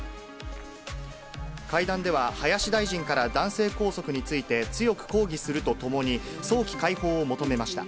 会談では林大臣から男性拘束について、強く抗議するとともに、早期解放を求めました。